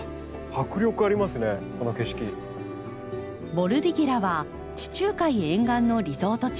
ボルディゲラは地中海沿岸のリゾート地。